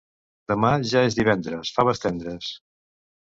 Demà ja és divendres: faves tendres!